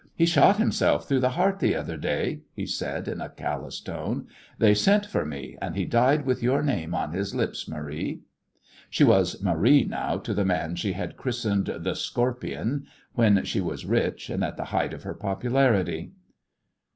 "He shot himself through the heart the other day," he said, in a callous tone. "They sent for me, and he died with your name on his lips, Marie." She was "Marie" now to the man she had christened "The Scorpion" when she was rich and at the height of her popularity.